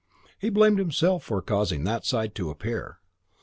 He blamed himself for causing that side to appear.